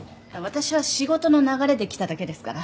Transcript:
私は仕事の流れで来ただけですから。